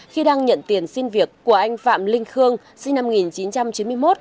khi đang nhận tiền xin việc của anh phạm linh khương sinh năm một nghìn chín trăm chín mươi một